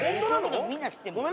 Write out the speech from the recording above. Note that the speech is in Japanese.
みんな知ってるもん。